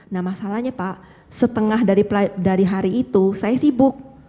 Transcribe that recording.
nah masalahnya pak setengah dari hari itu saya sibuk